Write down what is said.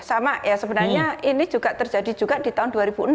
sama ya sebenarnya ini juga terjadi juga di tahun dua ribu enam